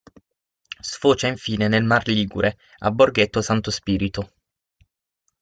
Sfocia infine nel Mar Ligure a Borghetto Santo Spirito.